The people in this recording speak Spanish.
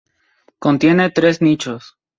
Contiene tres nichos.